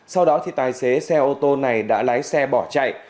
sau đó thì tài xế xe ô tô này đã lái xe bỏ chạy